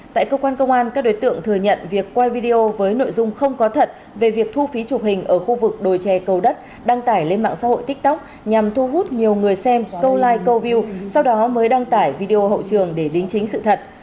tại cơ quan công an các đối tượng thừa nhận việc quay video với nội dung không có thật về việc thu phí chụp hình ở khu vực đồi tre cầu đất đăng tải lên mạng xã hội tiktok nhằm thu hút nhiều người xem câu like câu view sau đó mới đăng tải video hậu trường để đính chính sự thật